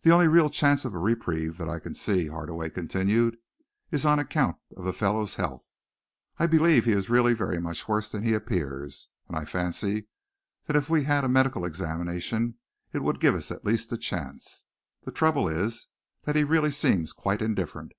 "The only real chance of a reprieve that I can see," Hardaway continued, "is on account of the fellow's health. I believe he is really very much worse than he appears, and I fancy that if we had a medical examination it would give us at least a chance. The trouble is that he really seems quite indifferent.